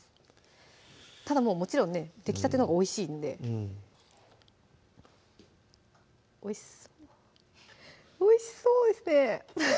ただもちろんね出来たてのほうがおいしいんでおいしそうおいしそうですね！